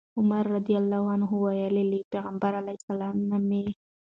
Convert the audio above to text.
عمر رضي الله عنه وويل: له پيغمبر عليه السلام نه مي